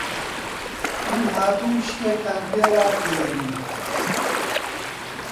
من هاتووم شتێکتان پێ ڕابگەیەنم: